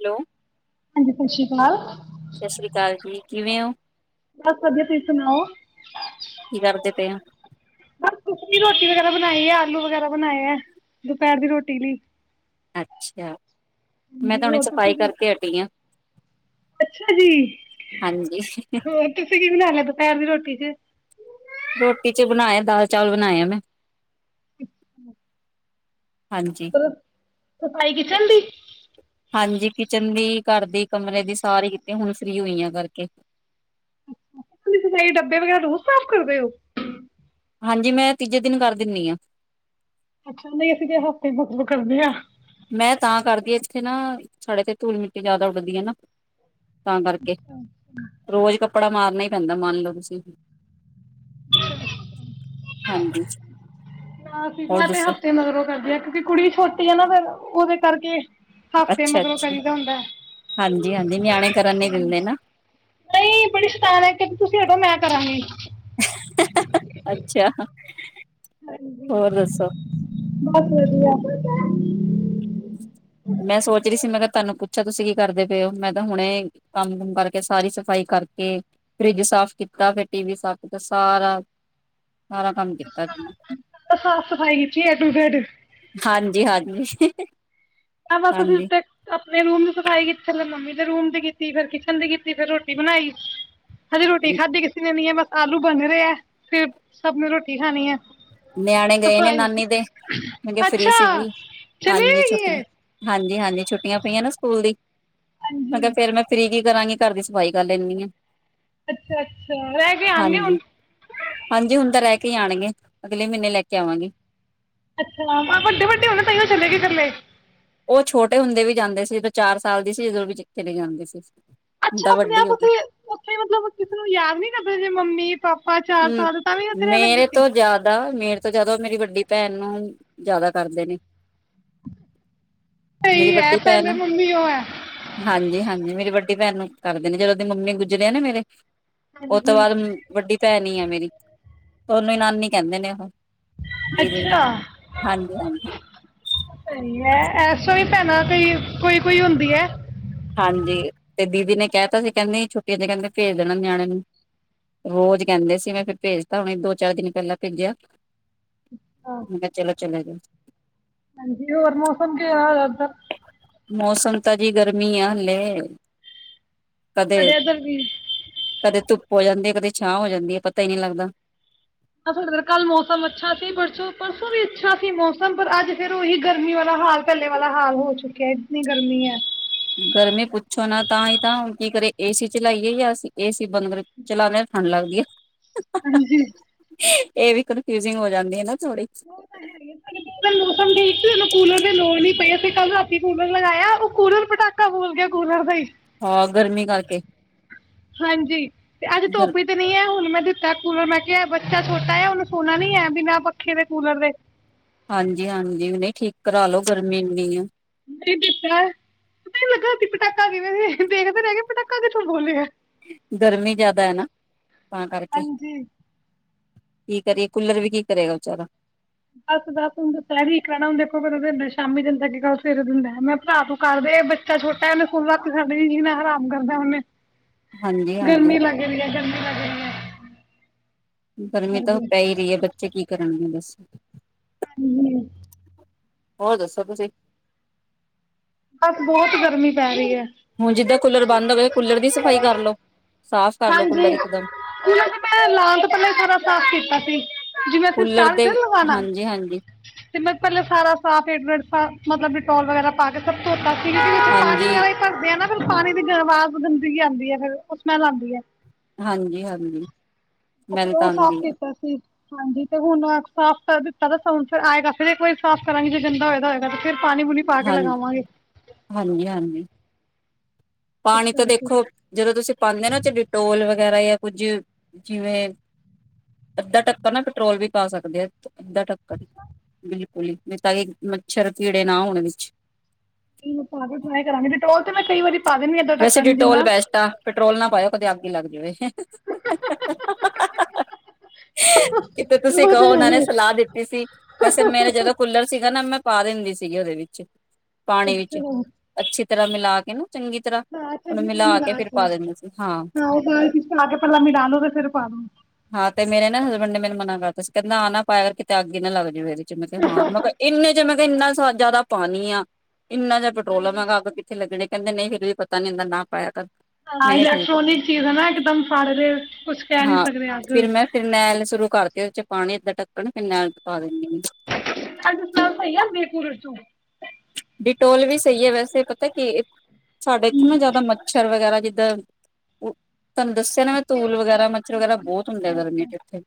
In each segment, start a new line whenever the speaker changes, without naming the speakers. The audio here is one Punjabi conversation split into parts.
ਹੈਲੋ,
ਅਜ ਪਸ਼ੀ ਸੁਣਾਇਓ
ਸਤਿ ਸ੍ਰੀ ਅਕਾਲ ਜੀ, ਕਿਵੇਂ ਹੋ?
ਬਸ ਵਧੀਆ ਤੁਸੀਂ ਸੁਣਾਓ
ਕੀ ਕਰਦੇ ਪਏ ੳ?
ਬਸ ਕੁਛ ਨੀ ਰੋਟੀ ਵਗੈਰਾ ਬਨਾਈ ਐ, ਆਲੂ ਵਗੈਰਾ ਬਣਾਏ ਐ, ਦੁਪਹਿਰ ਦੀ ਰੋਟੀ ਲਈ‌
ਅੱਛਾ। ਮੈਂ ਤਾਂ ਹੁਣੇ
ਹੋਰ
ਸਫ਼ਾਈ
ਤੁਸੀਂ ਕੀ
ਕਰਕੇ ਹਟੀ ਆ।
ਅੱਛਾ ਜੀ।
ਹਾਂਜੀ,
ਹੋਰ ਤੁਸੀਂ ਕੀ ਬਣਾ ਲਿਆ? ਦੁਪਹਿਰ ਦੀ ਰੋਟੀ। ਕਿ
ਰੋਟੀ ਚ ਬਣਾਇਆ, ਦਾਲ ਚਾਵਲ ਬਣਾਇਆ। ਮੈਂ
ਅੱ ਸਫਾਈ ਕਿਚਨ ਦੀ
ਹਾਂਜੀ-ਹਾਂਜੀ ਕਿਚਨ ਦੀ। ਘਰ ਦੀ ਕਮਰੇ ਦੀ ਸਾਰੀ ਕਿਤੇ, ਹੁਣ ਫ੍ਰੀ ਹੋਈ ਆ। ਕਰਕੇ
ਤੁ ਡੱਬੇ ਵਗੈਰਾ ਰੋਜ਼ ਸਾਫ਼ ਕਰਦੇ ਹੋ?
ਹਾਂਜੀ। ਮੈਂ ਤੀਜੇ ਦਿਨ ਕਰ ਦਿੰਦੀ ਹਾਂ।
ਅੱਛਾ। ਨਹੀਂ ਅਸੀਂ ਤੇ ਹਫ਼ਤੇ ਬੁਕ ਬੁਕਰਦੇ ਹਾਂ।
ਮੈਂ ਤਾਂ ਕਰਦੀ ਆ ਇੱਥੇ ਨਾ, ਸਾਡੇ ਇਥੇ ਧੂਲ ਮਿੱਟੀ ਜ਼ਿਆਦਾ ਉੱਡਦੀ ਆ, ਨਾ ਤਾਂ ਕਰਕੇ ਰੋਜ਼ ਕੱ ਕੱਪੜਾ ਮਾਰਨਾ ਹੀ ਪੈਂਦਾ ਮੰਨ ਲਓ, ਤੁਸੀਂ। ਹਾਂਜੀ ਹੋਰ
ਮੈਂ, ਤੇ
ਦੱਸੋ?
ਹਫ਼ਤੇ ਮਗਰੋਂ ਕਰਦੀ ਹ ਕਿਉਂਕਿ ਕੁੜੀ ਛੋਟੀ ਆ ਨਾ, ਫਿਰ ਉਹਦੇ, ਕਰਕੇ। ਹਫ਼ਤੇ ਮਗਰੋਂ
ਅੱਛਾ-ਅੱਛਾ,
ਕਰੀ ਦਾ ਹੁੰਦਾ,
ਹਾਂਜੀ-ਹਾਂਜੀ ਨਿਆਣੇ ਕਰਨ ਨੀ ਦਿੰਦੇ ਨਾ,
ਨਹੀਂ ਬੜੀ ਸ਼ਤਾਨ ਕ ਤੁਸੀਂ ਹਡੋ ਮੈਂ ਕਰਾਂਗੀ।
ਅੱਛਾ। ਹੋਰ, ਦੱਸੋ?
ਬਹੁਤ ਵਧੀਆ ਬ
ਮੈਂ ਸੋਚ ਰਹੀ ਸੀ, ਮੈਂ ਕਿਹਾ। ਤੁਹਾਨੂੰ ਪੁੱਛਿਆ ਤੁਸੀਂ ਕੀ ਕਰਦੇ ਪਏ ਹੋ, ਮੈਂ ਤਾਂ ਹੁਣੇ ਕੰਮ ਕੁੰਮ ਕਰਕੇ ਸਾਰੀ ਸਫ਼ਾਈ ਕਰਕੇ, ਫਰਿੱਜ ਸਾਫ ਕੀਤਾ, ਫਿਰ ਟੀ ਵੀ ਸਾਫ ਕੀਤਾ, ਸਾਰਾ, ਸਾਰਾ ਕੰਮ ਕੀਤਾ। ਮੈਂ
ਤਾਂ, ਸਾਫ਼-ਸਫ਼ਾਈ ਖਿੱਚੀ ਹੈ ਟੂਡ
ਹਾਂਜੀ। ਹਾਂਜੀ।
ਬਸ
ਹਾਂਜੀ
ਫ ਮੇਰ ਰੂਮ ਦੀ ਸਫ਼ਾਈ ਕੀਤੀ, ਫੇਰ ਮੰਮੀ ਦੇ ਰੂਮ ਤੇ ਕੀਤੀ, ਫੇਰ ਕਿਚਨ ਤੇ ਕੀਤੀ, ਫੇਰ ਰੋਟੀ ਬਣਾਈ। ਹਜੇ ਰੋਟੀ ਖਾਧੀ ਕਿਸੇ ਨੇ, ਨੀ ਹੈ, ਬਸ। ਆਲੂ ਬੰਨ ਰਹੇ ਹੈ, ਫਿਰ ਸਭ ਨੇ ਰੋਟੀ ਖਾਣੀ ਹੈ‌।
ਨਿਆਣੇ ਗਏ ਨੇ ਨਾਨੀ ਦੇ, ਮੇ ਫ੍ਰੀ
ਅੱਛਾ
ਸੀਗੀ
ਚਲੀ
ਹਾਂਜੀ।
ਗਈ
ਛੁੱਟੀ।
ਹੈ
ਹਾਂਜੀ- ਹਾਂਜੀ ਛੁੱਟੀਆਂ ਪਈਆਂ ਨਾ ਸਕੂਲ ਦੀ। ਅਗਰ
ਹਾਂਜੀ
ਫੇਰ ਮੈਂ ਫ੍ਰੀ, ਗਈ। ਕਰਾਂਗੇ ਘਰ ਦੀ ਸਫ਼ਾਈ ਕਰ ਲੈਂਨੀ ਆ।
ਅੱਛਾ-ਅੱਛਾ ਰਹਿ ਕੇ ਆਨਗੇ ਹੁਣ।
ਕੀ ਆਣਗੇ? ਅਗਲੇ ਮਹੀਨੇ ਲੈ ਕੇ ਆਵਾਂਗੇ
ਅੱਛਾ, ਵੱਡੇ -ਵੱਡੇ ਹੋਣੇ ਤਓ ਚਲੇੇ ਗਏ ਕਲੇ
ਉਹ ਛੋਟੇ ਹੁੰਦੇ ਵੀ ਜਾਂਦੇ ਸੀ, ਚਾਰ ਸਾਲ ਦੀ ਸੀ ਜਦੋਂ ਵੀਥੇ ਜਾਂਦੇ ਸੀ
ਅੱਛਾ,
ਤਾਂ
ਆਪਣੇ
ਵੱਡੀ
ਆਪ
ਹੋ
ਉੱਥੇ, ਉੱਥੇ ਮਤਲਬ ਕਿਸੇ ਨੂੰ ਯਾਦ ਨੀ ਕਰਦੇ ਜ ਮੰਮੀ ਪਾਪਾ ਚਾਰ
ਹਮ
ਸਾਲ ਤਾਂ ਵੀ ਉੱਥੇ ਰਹਿ ਲੈਂਦੇ
ਮੇਰੇ
ਸੀ
ਤੋਂ ਜ਼ਿਆਦਾ ਮੇ ਤੋਂ ਜਦ ਉਹ ਮੇਰੀ ਵੱਡੀ ਭੈਣ ਨੂੰ ਜਿਆਦਾ ਕਰਦੇ ਨੇ ਮੇਰੀ
ਸਹੀ ਹੈ
ਵੱਡੀ ਭੈਣ,
ਪਹਿਲੇ ਮੰਮੀ ਉਹ ਹੈ
ਹਾਂਜੀ -ਹਾਂਜੀ ਮੇਰੀ ਵੱ ਵਡੀ ਭੈਣ ਨੂੰ ਕਰਦੇ ਨੇ ਜਦੋਂ ਦੇ ਮੰਮੀ ਗੁਜਰੇ ਆ ਨਾ ਮੇਰੇ ਉਹ ਤੋਂ
ਹਾਂਜੀ
ਬਾਅਦ ਵੱਡੀ ਭੈਣੀ ਆ ਮੇਰੀ, ਤੁਨੂੰ ਈ ਨਾਨੀ ਕਹਿੰਦੇ ਨੇ ਉਹ ਦੀਦੀ ਨੂੰ
ਅੱਛਾ!
ਹਾਂਜੀ ਹਾਂਜੀ
ਸਈ ਐ ਐਸੋ ਹੀ ਭੈਣਾ ਕਈ, ਕੋਈ -ਕੋਈ ਹੁੰਦੀ ਹੈ
ਹਾਂਜੀ, ਤੇ ਦੀਦੀ ਨੇ ਕਹਿਤਾ ਸੀ ਕਹਿੰਦੇ ਛੁੱਟੀਆਂ ਤੇ ਕਹਿੰਦੇ ਭੇਜ ਦੇਣਾ ਨਿਆਣੇ ਨੂੰ, ਰੋਜ਼ ਕਹਿੰਦੇ ਸੀ ਮੈਂ ਫਿਰ ਭੇਜਤਾ ਹੁਣੇ ਦੋ -ਚਾਰ ਦਿਨ ਪਹਿਲਾਂ ਭੇਜਿਆ
ਹਾਂ,
ਮ ਚਲੋ- ਚਲੇ ਜਾ
ਹਾਂਜੀ ਹੋਰ ਮੌਸਮ ਕਿਹੋ ਹਾਲ ਹੈ ਉੱਧਰ
ਮੌਸਮ ਤਾਜਗਰਮੀ ਆ ਹਲੇ ਕਦੇ,
ਸਾਡੇ ਇੱਧਰ ਵੀ ਆ
ਕਦੇ ਤੁ ਹੋ ਜਾਂਦੇ ਆ ਕਦੇ ਛਾਂ ਹੋ ਜਾਂਦੀ ਹੈ ਪਤਾ ਹੀ ਨਹੀ ਲੱਗਦਾ
ਡ ਕੱਲ ਮੌਸਮ ਅੱਛਾ ਸੀ ਪਰਸੋਂ ਪਰਸੋਂ ਵੀ ਅੱਛਾ ਸੀ ਮੌਸਮ ਪਰ ਅੱਜ ਫੇਰ ਉਹੀ ਗਰਮੀ ਵਾਲਾ ਹਾਲ ਪਹਿਲੇ ਵਾਲਾ ਹਾਲ ਹੋ ਚੁੱਕਿਆ ਜਤਨੀ ਗਰਮੀ ਹੈ
ਗਰਮੀ ਪੁੱਛੋ ਨਾ, ਤਾਂ ਹੀ ਤਾਂ ਹੁ ਕੀ ਕਰੇ ਏਸੀ ਚਲਾਈਏ ਜਾਂ ਅਸੀਂ ਏਸੀ ਬੰਦ ਕਰ ਚਲਾਉਂਦੇ ਹਾਂ ਠੰਢ ਲੱਗਦੀ ਹੈ
ਹਾਂਜੀ
[inaudible] ਇਹ ਵੀ ਕਨਫਿਊਜਿੰਗ ਹੋ ਜਾਂਦੀ ਹੈ ਨਾ ਥੋੜੀ
ਉਹ ਤਾਂ ਹੈ ਮੌਸਮ ਠੀਕ ਸੀ ਕੂਲਰ ਦੀ ਲੋੜ ਨੀ ਪਈ ਅਸੀਂ ਕੱਲ ਰਾਤੀ ਕੂਲਰ ਲਗਾਇਆ ਉਹ ਕਲਰ ਪਟਾਕਾ ਬੋਲ ਗਿਆ ਕੂਲਰ ਦਾ ਹੀ
ਹਾਂ ਗਰਮੀ ਕਰਕੇ
ਹਾਂਜੀ ਤੇ ਅੱਜ
ਗਰ
ਧੂਪ ਤੇ ਨ ਨਹੀਂ ਹੈ ਹੁਣ ਮੈਂ ਤਾ ਕੂਲਰ ਮੈਂ ਕਿਹਾ ਬੱਚਾ ਛੋਟਾ ਹੈ ਉਹਨੂੰ ਸੋਣਾ ਨੀ ਹੈ ਬਿਨਾਂ ਪੱਖੇ ਦੇ, ਕੂਲਰ ਦੇ
ਹਾਂਜੀ -ਹਾਂਜੀ ਨਈ ਠੀਕ ਕਰਾ ਲੋ ਗਰਮੀ ਇੰਨੀ ਆ
ਦਿੱਤਾ ਪਤਾ ਨ ਲੱਗਾ ਸੀ ਪਟਾਕਾ ਕਿਵੇਂ ਦੇਖਦੇ ਰਹਿ ਗੇ ਪਟਾਕਾ ਕਿੱਥੋਂ ਬੋਲਦੇ ਆ
ਗਰਮੀ ਜਿਆਦਾ ਹੈ ਨਾ, ਤਾਂ ਕਰਕੇ
ਹਾਂਜੀ
ਕੀ ਕਰੀਏ ਕੂਲਰ ਵੀ ਕੀ ਕਰੇਗਾ ਵਿਚਾਰਾ
ਬਸ -ਬਸ ਹੁੰਦਾ ਸਹਿ ਕ ਰਹਿਣਾ ਹੁੰ ਦੇਖੋ ਪਤਾ ਸ਼ਾਮੀ ਦਿੰਦਾੱ ਕੱਲ ਸਵੇਰ ਦਿੰਦਾ ਮੈਂ ਭਰਾ ਤੂੰ ਕਰਦੇ ਬੱਚਾਛੋਟਾ ਉਹਨੇ ਰਾਤ ਜੀ ਨਾ ਆਰਾਮ ਕਰਦਾ ਉਹਨੇ
ਹਾਂਜੀ ਹਾਂਜੀ
ਗਰਮੀ ਲੱਗਰੀ ਹੈ ਗਰਮੀ ਲੱਗ ਰੀ ਹੈ
ਗਰਮੀ ਤਾਂ ਉਹ
ਹਾਂਜੀ।
ਪੈ ਹੀ ਰਹੀ ਹੈ ਬੱਚੇ ਕੀ ਕਰਨਗੇ ਬੱਸ
ਹਮਮ
ਹੋਰ ਦੱਸੋ ਤੁਸੀਂ
ਬਸ ਬਹੁਤ ਗਰਮੀ ਪੈ ਰਹੀ ਹੈ।
ਹੁਣ ਜਿੱਦਾਂ ਕੂਲਰ ਬੰਦ ਹੋ ਗਏ, ਕੂਲਰ ਦੀ ਸਫ਼ਾਈ ਕਰ ਲੋ। ਸਾਫ਼ ਕਰ ਲੋ ਕੂਲਰ
ਹਾਂਜੀ,
ਇੱਕਦਮ
ਕੂਲਰ ਤੇ ਮੈਂ ਲਾਨ ਤੋਂ ਪਹਿਲਾਂ ਹੀ ਸਾਰਾ ਸਾਫ਼ ਕੀਤਾ ਸੀ। ਜਿਵੇਂ ਅਸੀਂ
ਕੂਲਰ
[unintelligible]
ਦੇ
ਥੇ ਲਵਾਣਾ,
ਹਾਂਜੀ ਹਾਂਜੀ
ਤੇ ਮੈਂ ਪਹਿਲੇ ਸਾਰਾ ਸਾਫ਼ [unintelligible] ਮਤਲਬ ਡਿਟੋਲ ਵਗੈਰਾ ਪਾ ਕੇ ਸਭ ਤੋਂ ਤਾਂ ਸੀਰੀ, ਤੇ ਵਿੱਚ ਪਾਣੀ ਵੀ
ਹਾਂਜੀ
ਐਵੇਂ ਹੀ ਭਰਦੇ ਹਾ ਨਾ। ਫਿਰ ਪਾਣੀ ਦੀ ਜੋ ਆਵਾਜ਼ [unintelligible] ਆਂਦੀ ਏ, ਫਿਰ ਔ ਸਸੈਲ ਆਂਦੀ [unintelligible]
ਹਾਂਜੀ-ਹਾਂਜੀ।
ਉਹ ਔ ਸਾਫ਼ ਕੀਤਾ ਸੀ। ਹਾਂਜੀ ਤੇ ਹੁਣ [unintelligible] ਸਾਫ਼ ਕਰ ਦਿੱਤਾ ਤਾਂ ਸੋਨ ਚ ਆਏਗਾ, ਫਿਰ ਇੱਕ ਵਾਰੀ ਸਾਫ਼ ਕਰਾਂਗੀ ਜੇ ਗੰਦਾ ਹੋਏਗਾ-ਹੋਏਗਾ ਤੇ ਫਿਰ ਪਾਣੀ ਪੂਣੀ ਪਾ ਕੇ
ਹਾਂਜੀ,
ਲਗਾਵਾਂਗੇ।
ਹਾਂਜੀ, ਹਾਂਜੀ
ਇਸ
ਪਾਣੀ ਤਾਂ
ਕਰਕੇ
ਦੇਖੋ ਜਦੋਂ ਤੁਸੀਂ ਪਾਉਦੇ ਆ ਨਾ ਚ ਡਿਟੋਲ ਵਗੈਰਾ ਜਾਂ ਕੁੱਝ ਜਿਵੇਂ ਅੱਧਾ ਟਕਨ ਨਾ ਪੈਟਰੋਲ ਵੀ ਪਾ ਸਕਦੇ ਆ। ਅੱਧਾ ਟੱਕਨ, ਬਿਲਕੁਲ ਹੀ। ਨਹੀਂ ਤਾਂ ਏ ਮੱਛਰ, ਕੀੜੇ ਨਾ ਹੋਣ ਵਿੱਚ।
ਏਨੂੰ ਪਾਕੇ ਟਰਾਈ ਕਰਾਂਗੇ, ਡਿਟੋਲ ਤੇ ਮੈਂ ਕਈ ਵਾਰੀ ਪਾ ਦਿੰਦੀ ਹਾਂ ਏਦਾਂ
ਵੈਸੇ
ਢੱਕਣ
ਡਿਟੋਲ
ਜਿੰਨਾ
ਵੈਸਟ ਆਂ, ਪੈਟਰੋਲ ਨਾ ਪਾਔ। ਕੀਤੇ ਅੱਗ ਹੀ ਲੱਗ ਜਾਵੇ। ਕਿਤੇ ਤੁਸੀਂ
ਉਹ ਤੇ
ਕਹੋ ਔਨਾਂ ਨੇ
ਹੈ।
ਸਲਾਹ ਦਿੱਤੀ ਸੀ, ਵੈਸੇ ਮੇਰੇ ਜਦੋਂ ਕੂਲਰ ਸੀਗਾ ਨਾ ਮੈਂ ਪਾ ਦਿੰਦੀ ਸੀਗੀ ਔਦੇ ਵਿੱਚ। ਪਾਣੀ ਵਿੱਚ,
ਅੱਛਾ
ਅੱਛੀ ਤਰ੍ਹਾਂ ਮਿਲਾ ਕੇ ਨਾ ਚੰਗੀ ਤਰ੍ਹਾਂ
ਨਾ
ਉਹਨੂੰ
ਚੰਗੀ ਤਰਾਂ ਮਿਲਾ
ਫਿਰ
ਕੇ,
ਪਾ ਦਿੰਦੇ ਸੀ
ਹਾਂ [unintelligible] ਵਿੱਚ ਮਿਲਾਕੇ ਪਹਿਲਾ ਮਿਲਾ ਲੋਂ ਤੇ ਫਿਰ ਕੰਮ।
ਹਾਂ ਤੇ ਮੇਰੇ ਨਾ ਹਸਬੈਂਡ ਨੇ ਮੈਨੂੰ ਮਨਾ ਕਰਤਾ ਸੀ, ਕਹਿੰਦੇ ਆਹ ਨਾ ਪਾਇਆ ਕਰ, ਕਿਤੇ ਅੱਗ ਹੀ ਨਾ ਲੱਗ ਜਾਵੇ ਇਹ ਮੈਂ ਕਿਆ ਹਾਂ, ਮੈਂ ਕਿਆ ਏਨੇ ਜੇ ਇੰਨਾ ਸਾ ਜਾਦਾ ਪਾਣੀ ਆ। ਇੰਨਾ ਜਾ ਪੈਟਰੋਲ ਲਗਣਾ, ਮੈਂ ਕਿਹਾ ਅੱਗ ਕਿੱਥੇ ਲੱਗਨੀ। ਕਹਿੰਦੇ ਨਹੀਂ ਫਿਰ ਵੀ ਪਤਾ ਨਹੀ ਹੁੰਦਾ, ਨਾ ਪਾਇਆ ਕਰ।
ਹਾਂ,
ਮੈਂ ਕਿਹਾ ਠੀਕ ਹੈ
ਇਲੈਕਟ੍ਰੋਨਿਕ ਚੀਜ਼ਾ ਨਾ ਇਕ ਦਮ ਫੜ ਲੇ ਕੁਛ ਕਹਿ ਨੀ
ਹਾਂ
ਸਕਦੇ ਆ।
ਫਿਰ ਮੈਂ ਫਿਰ ਮੈਂ [unintelligible] ਸ਼ੁਰੂ ਕਰਤੀ ਔਦੇ ਚ ਪਾਣੀ ਅਦਾ ਟਕਣ ਫਿਰਨੇਲ ਪਾ ਦਿੰਣੀ ਆ
ਇਦਾਂ ਸਮੈਲ ਸਹੀ ਆਂਦੀ ਹੈ ਕੁੱਲਰ ਚੋਂ?
ਡਿਟੋਲ ਵੀ ਸਹੀ ਹੈ ਵੈਸੇ, ਪਤਾ ਕਿ ਏ ਸਾਡੇ ਇੱਥੇ ਨਾ ਜ਼ਿਆਦਾ ਮੱਛਰ ਵਗੈਰਾ ਜਿੱਦਾਂ ਤੁਹਾਨੂੰ ਦੱਸਿਆ ਨਾ ਮੈਂ ਧੂਲ ਵਗੈਰਾ, ਮੱਛਰ ਵਗੈਰਾ ਬਹੁਤ ਹੁੰਦੇ ਗਰਮੀਆਂ ਚ ਏਥੇ।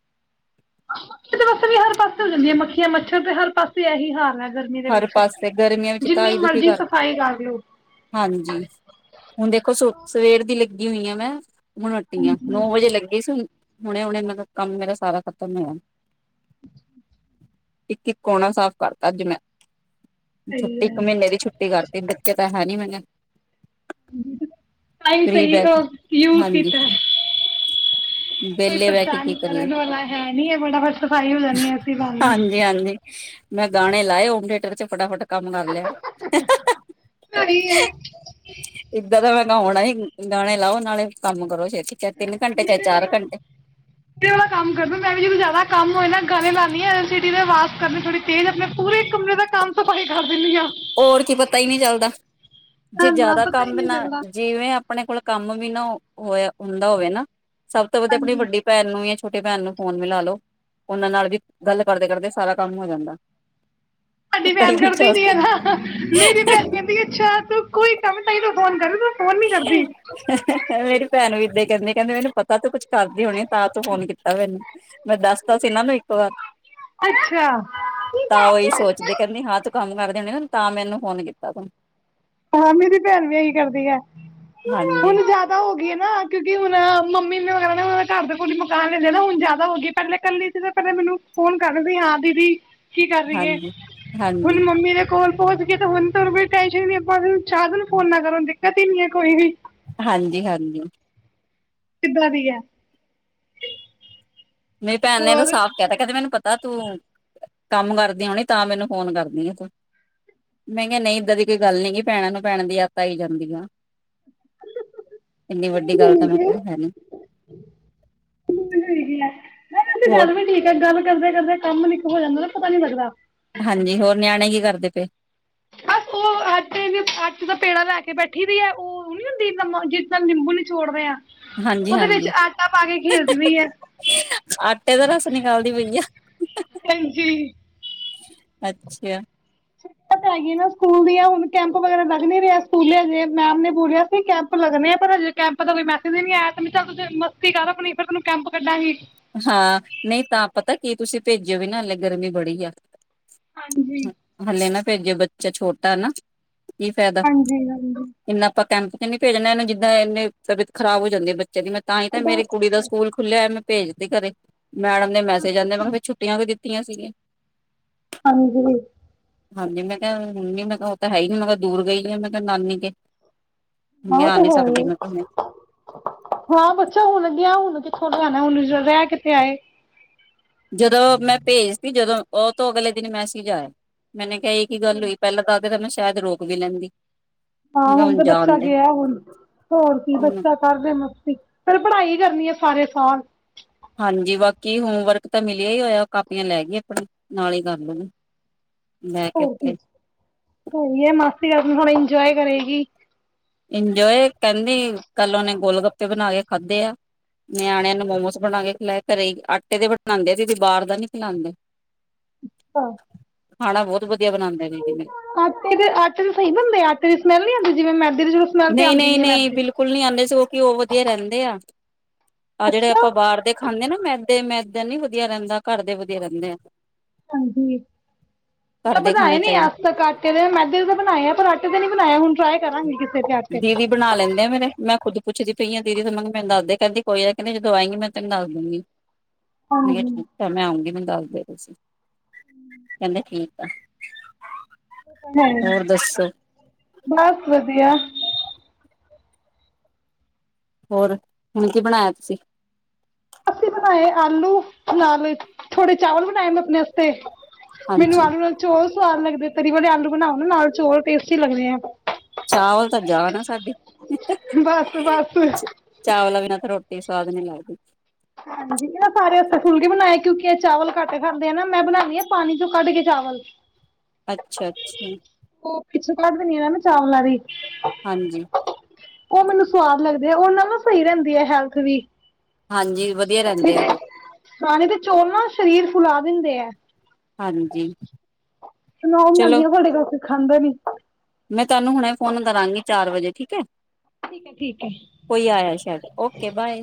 ਇਹ ਮੱਛਰ ਤੇ ਹਰ ਪਾਸੇ ਇਹੀ ਹਾਲ ਹੈ। ਗਰਮੀ ਦੇ
ਹਰ
ਵਿੱਚ।
ਪਾਸੇ ਗਰਮੀਆਂ ਵਿੱਚ
ਜਿੰਨੀ
ਤਾਂਈ ਦੁਖੀ
ਮਰਜ਼ੀ
ਕਰ,
ਸਫ਼ਾਈ ਕਰ ਲਓ।
ਹਾਂਜੀ ਹੁਣ ਦੇਖੋ ਸ ਸਵੇਰ ਦੀ ਲ ਗੀ ਹੋਈ ਆ ਮੈਂ। ਹੁਣੋ ਉਠੀ ਆਂ ਨੋ ਵਜੇ ਲੱਗੀ ਸੀ ਹੁਨ ਹੁਣੇ-ਹੁਣੇ ਮਤਲਬ ਕੰਮ ਮੇਰਾ ਸਾਰਾ ਖ਼ਤਮ ਹੋਇਆ।
ਅੱਛਾ।
ਇੱਕ-ਇੱਕ ਕੋਣਾ ਸਾਫ਼ ਕਰਤਾ ਅੱਜ ਮੈਂ।
ਸਹੀ
ਛੁੱਟੀ ਇੱਕ
ਹੈ।
ਮਹੀਨੇ ਦੀ ਛੁੱਟੀ ਕਰਤੀ ਬੱਚੇ ਤਾਂ ਹੈਨੀ ਮਗਰ।
ਟਾਇਮ ਸਹੀ
ਕੇ
ਯੂਜ
ਹਾਂਜੀ
ਕੀਤਾ ਕੋਈ
ਵਿਹਲੇ ਬਹਿ ਕੇ
ਪਰੇਸ਼ਾਨ
ਕੀ ਕਰੀਏ
ਕਰਨ ਵਾਲਾ ਹੈ ਨੀ ਹੈ ਫਟਾ-ਫਟ ਸਫ਼ਾਈ ਹੋ ਜਾਣੀ ਹੈ ਇਸੀ ਬਹਾਨੇ।
ਲੇ ਚੁਕ ਫਟਾ-ਫਟ। ਕੰਮ ਕਰ ਲਿਆ ਇਦਾਂ ਦਾ ਮੈਂ ਨਾਉਣਾ ਸੀ, ਗਾਣੇ ਲਾਓ ਨਾਲੇ ਕੰਮ ਕਰੋੇ।
ਮੇਰੇ ਕੰਮ ਕਰਦਾ ਮੈਂ ਵੀ ਜਦੋਂ ਜਿਆਦਾ ਕੰਮ ਹੋਏ ਨਾ ਗਾਣੇ ਲਾਦੀ ਆਂ। ਆਵਾਸ ਕਰਨੇ ਥੋੜੀ ਤੇਜ਼ ਆਪਣੇ ਪੂਰੇ ਕਮਰੇ ਦਾ ਕੰਮ ਸਫਾਈ ਕਰ ਦੇਣਾ।
ਹੋਰ ਕੀ ਪਤਾ ਹੀ ਨਹੀਂ ਚੱਲਦਾ ਜੇ
ਨਾ
ਜ਼ਿਆਦਾ
ਪਤਾ ਹੀ
ਕੰਮ ਵੀ
ਨਹੀਂ
ਨਾ
ਚੱਲਦਾ
ਜਿਵੇਂ ਆਪਣੇ ਕੋਲ ਕੰਮ ਵੀ ਨਾ ਉਦਾ ਹੋਵੇ ਨਾ। ਸਭ ਤੋਂ ਵਧੀਆ ਆਪਣੀ ਵੱਡੀ ਭੈਣ ਨੂੰ ਜਾਂ ਛੋਟੇ ਭੈਣ ਨੂੰ ਫੋਨ ਮਿਲਾ ਲੋ ਉਹਨਾਂ ਨਾਲ ਵੀ ਗੱਲ ਕਰਦੇ-ਕਰਦੇ ਸਾਰਾ ਕੰਮ ਹੋ ਜਾਂਦਾ।
ਸਾਡੀ
ਪਤਾ ਹੀ
ਬੈਣ
ਨਹੀਂ
ਕਰਦੀ ਨੀ ਹੈ
ਚੱਲਦਾ
ਨਾ। ਮੇਰੀ ਭੈਣ ਕਹਿੰਦੀ ਅਛਾੱ ਤੂੰ ਕੋਈ ਕੰਮ ਸਹੀ ਤੂੰ ਫੋਨ ਕਰੁਗਾ।
ਮੇਰੀ ਭੈਣ ਨੂੰ ਏਦਾਂ ਹੀ ਕਹਿੰਦੀ। ਕਹਿੰਦੇ ਮੈਨੂੰ ਪਤਾ ਤੇ ਕੁਛ ਕਰਦੀ ਹੋਣੀ ਤਾਂ ਤੂੰ ਫੋਨ ਕੀਤਾ ਮੈਨੂੰ। ਮੈਂ ਦੱਸਦਾ ਸੀ ਇਹ ਨੂੰ ਇੱਕ ਵਾਰ,
ਅੱਛਾ
ਤਾਂ ਉਹੀ ਸੋਚਦੇ ਕਹਿੰਦੀ ਹਾਂ ਤੂੰ ਕੰਮ ਕਰਦੇਣੇ ਤਾਂ ਮੈਨੂੰ ਫੋਨ ਕੀਤਾ ਤੂੰ।
ਹਾਂ, ਮੇਰੀ ਭੈਣ ਵੀ ਇਹੀ ਕਰਦ ਹੁਣ
ਹਾਂਜੀ
ਜਿਆਦਾ ਹੋ ਗਈ ਨਾ। ਨਾ ਕਿਉਂਕਿ ਹੁਣ ਮੰਮੀ ਨੇ ਵਗੈਰਾ ਨਾ ਘਰ ਦੇ ਕੋਲ ਮਕਾਨ ਲੈ ਲਿਆ, ਹੁਣ ਜਿਆਦਾ ਹੋ ਗਈ ਪਹਿਲੇ ਇਕੱਲੀ ਸੀ ਤਾਂ ਪਹਿਲਾਂ ਮੈਨੂੰ ਫੋਨ ਕਰ ਲੈਦੀ ਸੀ ਹਾਂ ਦੀਦੀ ਕੀ ਕਰ ਰਹੀ ਹੈ
ਹਾਂਜੀ
ਹੁਣ
ਹਾਂਜੀ
ਮੰਮੀ ਨੇ ਕੋਲ ਪਹੁੰਚ ਗਏ ਤਾਂ ਹੂਣ ਤ ਵੀ ਟੇਸ਼ਨ ਨੀ ਭਾਵੇਂ ਚਾਹ ਦਿਨ ਨੂੰ ਫੋਨ ਨਾ ਕਰੋ ਦਿੱਕਤ ਹੀ ਨੀ ਹੈ ਕੋਈ ਵੀ।
ਹਾਂਜੀ-ਹਾਂਜੀ।
ਕਿੱਦਾਂ ਦੀ ਹੈ?
ਮੇਰੀ ਭੈਣ ਨੇ ਤਾਂ
ਹੋਰ
ਸਾਫ਼ ਕਹਿਤਾ ਕਿੰ ਮੈਨੂੰ ਤੂੰ ਕੰਮ ਕਰਦੀ ਹੋਣੀ ਤਾਂ ਮੈਨੂੰ ਫੋਨ ਕਰਦੀ ਆ ਤੂੰ, ਮੈਂ ਕਿਹਾ ਨਹੀਂ ਏਦਾਂ ਦੀ ਕੋਈ ਗੱਲ ਨੀ ਭੈਣਾਂ ਨੂੰ ਭੈਣਾਂ ਦੀ ਯਾਦ ਆਈ ਜਾਂਦੀ ਆ ਇਨੀ ਵੱਡੀ ਗੱਲ ਤਾਂ ਮੈਂ ਕੋ ਹੈ ਨ
ਮ ਇਹਦੀ ਗੱਲ ਵੀ ਠੀਕ ਹੈ ਗੱਲ ਕਰਦੇ- ਕਰਦੇ ਕੰਮ ਨੀ ਹੋ ਜਾਂਦਾ ਨਾ ਪਤਾ ਨੀ ਲੱਗਦਾ
'ਤੇ
ਬਸ, ਉਹ ਆਟੇ, ਆਟੇ ਦਾ ਪੇੜਾ ਲੈ ਕੇ ਬੈਠੀ ਪਈ ਹੈ। ਉਹ ਨੀ ਹੁੰਦੀ ਜਿਸ ਨਾਲ ਨਿੰਬੂ ਨਿਚੋੜਦੇ ਹਾਂ।
ਹਾਂਜੀ- ਹਾਂਜੀ,
ਪਈ ਹੈ
ਆਟੇ ਦਾ ਰਸ ਨਿਕਾਲਦੀ ਪਈ ਆ
ਹਾਂਜੀ
ਅੱਛਾ!
ਹੈਗੀ ਨਾ ਸਕੂਲ ਦੀਆਂ ਹੁਣ ਕੈਂਪ ਵਗੈਰਾ ਲੱਗ ਨਹੀਂ ਰਹੇ ਅਜੇ ਸਕੂਲੇ ਹਜੇ ਮੈਮ ਨੇ ਬੋਲਿਆ ਸੀ ਕੈਂਪ ਲੱਗਣੇ ਆ ਪਰ ਹਜੇ ਕੈਂਪ ਦਾ ਕੋਈ ਮੈਸੇਜ ਨੀ ਆਇਆਂ ਤੇ ਮੈਂ ਕਿਹਾ ਚੱਲ ਮਸਤੀ ਕਰ ਆਪਣੀ ਫਿਰ ਤੈਨੂੰ ਕੈਂਪ ਕੱਢਾਂਗੀ।
ਹਾਂ, ਨਹੀਂ ਤਾਂ ਪਤਾ ਕੀ ਤੁਸੀਂ ਭੇਜਿਓ ਵੀ ਨਾ ਹਲੇ ਗਰਮੀ ਬੜੀ ਆ।
ਹਾਂਜੀ।
ਹੱਲ ਨਾ ਭੇਜੋ ਬੱਚਾ ਛੋਟਾ ਨਾ। ਕੀ ਫਾਇਦਾ,
ਹਾਂਜੀ ਹਾਂਜੀ
ਇੰਨਾ ਆਪਾਂ ਕੈਪ ਨੀ ਭੇਜਣਾ ਇਹਨੇ ਜਿੱਦਾ ਏਨੇ ਤਬੀਅਤ ਖਰਾਬ ਹੋ ਜਾਂਦੀ ਬੱਚੇ ਤਾਹੀ ਤਾਂ ਮੇਰੀ
ਬਸ
ਕੁੜੀ ਦੇ ਸਕੂਲ ਖੁੱਲੇ ਹੋਏ ਨੇ ਮੈਂ ਭੇਜਦੇ ਘਰੇ। ਮੈਡਮ ਦੇ ਮੈਸੇਜ ਆਂਦੇ ਨੇ, ਮੈਂ ਕਿਹਾ ਫਿਰ ਛੱਟੀਆਂ ਵੀ ਦਿੱਤੀਆਂ ਤੀਆਂ ਸੀ ਗਿਆ
ਹਾਂਜੀ।
ਹਾਂਜੀ ਮੈਂ ਕਿਹਾ ਹੁਣ ਨੀ ਮੈਂ ਕਿਹਾ ਉਹ ਤਾਂ ਹੈ ਹੀ ਨਾ ਮੈਂ ਕਿਹਾ ਦੂਰ ਗਈ ਆ ਮੈਂ ਕਿਹਾ ਨਾਨੀ ਕਦੇ
ਆ ਉਹ ਤਾਂ ਹੈ ਹੀ ਆ ਹਾਂ, ਬੱਚਾ ਹੁਣ ਗਿਆ ਹੁਣ। ਸੁਣ ਹੁਣ ਰਹਿ ਕਿਥੇ ਆਏ
ਜਦੋਂ ਮੈਂ ਭੇਜਤੀ ਜਦੋਂ, ਉਹ ਤੋਂ ਅਗਲੇ ਦਿਨ ਹੀ ਮੈਸਿਜ ਆਇਆ ਮੈਨੇ ਏ ਕੀ ਗੱਲ ਹੋਈ ਪਹਿਲਾਂ ਤਾਂ ਆਖਦੇ ਮੈਂ ਸ਼ਾਇਦ ਰੋਕ ਵੀ ਲੈਂਦੀ।
ਹਾਂ
ਮੈਂ ਕਿਹਾ
ਹੁਣ ਤਾਂ
ਜਾਣ
ਬੱਚਾ
ਦੇ
ਗਿਆ, ਹੁਣ ਹੋਰ ਕੀ
ਹਮ,
ਬੱਚੇ ਕਰਦੇ ਮਸਤੀ ਫਿਰ ਪੜ੍ਹਾਈ ਕਰਨੀ ਆ। ਸਾਰੇ ਸਾਲ,
ਹਾਂਜੀ, ਬਾਕੀ ਹੋਮਵਰਕ ਤਾਂ ਮਿਲਿਆ ਹੀ ਹੋਇਆ ਕਾਪੀਆਂ ਲੈ ਗਈ ਆਪਣਾ ਨਾਲ ਹੀ ਕਰ ਲੈਣਗੇ।
ਹੋਰ ਕੀ ਹੈ ਮਾਸੀ ਆਗੀ ਹੋਣੀ ਇੰਜੋਏ ਕਰੇਗੀ।
ਇੰਜੋਏ ਕਹਿੰਦੀ ਕੱਲ ਉਹਨੇ ਗੋਲ -ਗੱਪੇ ਬਣਾ ਕੇ ਖਾਧੇ ਆ ਨਿਆਣਿਆਂ ਨੂੰ ਮੋਮੋਸ ਬਣਾ ਕੇ ਖਿਲਾਏ ਘਰੇ ਆਟੇ ਦੇ ਬਣਾਉਂਦੇ ਆਦੇ ਹਾਂ ਅਸੀਂ ਬਾਹਰ ਦਾ ਨੀ ਖਿਲਾਉਂਦੇ
ਹਾਂ
ਖਾਣਾ ਬਹੁਤ ਵਧੀਆ ਬਣਾਉਂਦੇ ਸੀ ਜੀ ਮੇਰੇ
ਆਟੇ ਦੇ ਆਟੇ ਦੇ ਸਹੀ ਬਣਦੇ ਆ ਆਟੇ ਦੀ ਸਮੈਲ ਨਹੀਂ ਆਉਂਦੀ ਜਿਵੇਂ ਮੈਂ,
ਨਹੀਂ, ਨਹੀਂ, ਨਹੀਂ ਬਿਲਕੁਲ ਨਹੀਂ ਆਉਂਦੇ ਸਗੋਂ ਕਿ ਘਿਉ ਵਧੀਆ ਰਹਿੰਦੇ ਆ। ਆਹ,
ਅੱਛਾ
ਜਿਹੜੇਆਪਾਂ ਬਾਹਰ ਦੇ ਖਾਂਦੇ ਨਾ, ਮੈਦੇ -ਮੈਦੇ। ਬਾਹਰ ਦੇ ਨੀ ਵਧੀਆ ਰਹਿੰਦਾ, ਘਰ ਦੇ ਵਧੀਆ ਰਹਿੰਦੇ ਆ।
ਹਾਂਜੀ।
ਘਰ
ਮੈਂ
ਦੇ
ਬਣਾਏ
ਖਾਣੇ ਚਾਹੀਦੇ
ਅੱਜ ਤੱਕ ਆਟੇ ਦੇ, ਮੈਦੇ ਤਾਂ ਬਣਾਏ ਆ, ਪਰ ਆਟੇ ਤੇ ਨੀ ਬਣਾਇਆ ਹੁਣ, ਟ੍ਰਾਈ ਕਰਾਂਗੇ ਕਿਸ ਦਿਨ
ਦੀਦੀ ਬਣਾ ਲੈਂਦੇ ਐ ਮੇਰੇ, ਮੈਂ ਖੁਦ ਪੁੱਛਦੀ ਪਈਆਂ ਦੀਦੀ ਹੋਨਾ ਨੂ ਮੈਂਨ ਦੱਸ ਦੇ, ਕੈੰਦੀ ਕੋਈ ਏ ਜਦੋਂ ਆਏਂਗੀ ਨਾ, ਮੈਂ ਤੈਨ ਦੱਸ ਦੂੰਗੀ। ਭਆ
ਹਾਂਜੀ
ਠੀਕ ਹੈ, ਮੈਂ ਆਉਂਗੀ ਮਿਲ ਦੱਸਦੇ ਤੁਸੀਂ ਕੈੰਦੇ ਠੀਕ ਆ। ਹੋਰ ਦੱਸੋ?
ਬਾਸ ਵਧੀਆ।
ਹੋਰ ਹੁਣ ਕੀ ਬਣਾਇਆ ਤੂਸੀਂ?
ਅਸੀਂ ਬਣਾਏ ਆਲੂ ਨਾਲ, ਥੋੜੇ ਚਾਵਲ ਬਣਾਏ, ਮੈਂ ਅਪਣੇ ਅਸਤੇ। ਮੈਨੂੰ
ਹਾਂਜੀ
ਆਲੂ ਨਾਲ ਚੋਲ ਸਵਾਦ ਲੱਗਦੇ, ਤਰੀ ਵਾਲੇ ਆਲੂ ਬਣਾਓ ਨਾ ਨਾਲ ਚੋਲ ਟੇਸਟੀ ਲੱਗਦੇ ਐ।
ਚਾਵਲ ਤਾਂ ਜਾਨ ਆ ਸਾਡੀੇ,
ਬਸ ਬਸ
ਚਾਵਲਾ ਬਿਨਾ ਤਾਂ ਰੋਟ ਟੀ ਸਵਾਦ ਨੀ ਲੱਗਦੀ।
ਹਾਂਜੀ, ਐਨਾ ਸਾਰੇ ਅਸਤੇ ਫੁੱਲਕੇ ਬਣਾਏ, ਕਿਉਂਕਿ ਐ ਚਾਵਲ ਘੱਟ ਖਾਂਦੇ ਐ ਨਾ, ਮੈਂ ਬਣਾਨੀਂ ਆਂ ਪਾਣੀ ਚ ਕੱਢ ਕੇ ਚਾਵਲ।
ਅੱਛਾ- ਅੱਛਾ।
ਪਿਛ ਕਢ ਦੀਨੀ ਆ ਨਾ, ਮੈਂ ਚਾਵਲਾਂ ਦੀ।
ਹਾਂਜੀ
ੳ, ਮੈਨੂੰ ਸਵਾਦ ਲਗਦੇ ਆ ਓਦੇ ਨਾਲ ਨਾ, ਸਹੀ ਰੈੰਦੀ ਐ ਹੈਲਥ ਵੀ।
ਹਾਂਜੀ। ਵਧੀਆ ਰੈੰਦੇ ਐ ਓਹ।
ਪਾਣੀ ਦੇ ਚੌਲ ਨਾਲ ਸਰੀਰ ਫੁਲਾ ਦਿੰਦੇ ਐ।
ਹਾਂਜੀ
ਸੁਣੋਣ
ਚਲੋ
ਲਗੀਆਂ ਤੁਹਾਡੇ ਕੋਛ ਖਾਂਦੇ ਨੀ।
ਮੈਂ ਤਾਨੂੰ ਹੁਣੇ ਫੋਨ ਕਰਾਂਗੀ, ਚਾਰ ਵਜੇ। ਠੀਕ ਹੈ।
ਠੀਕ ਹੈ ਠੀਕ ਹੈ
ਕੋਈ ਆਯਾ ਏ, ਸੈ਼ਦ, ਓਕੇ, ਬਾਏ।